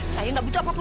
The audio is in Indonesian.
saya gak butuh apa apa